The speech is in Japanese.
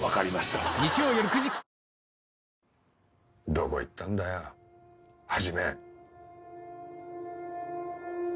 どこ行ったんだよ始。